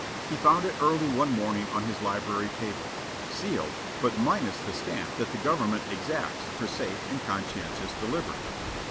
He found it early one morning on his library table, sealed but minus the stamp that the government exacts for safe and conscientious delivery.